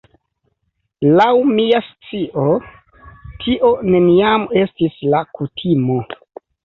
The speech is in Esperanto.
Laŭ mia scio tio neniam estis la kutimo.